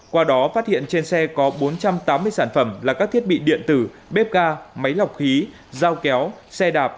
qua đó phát hiện trên xe có bốn trăm tám mươi sản phẩm là các thiết bị điện tử bếp ga máy lọc khí dao kéo xe đạp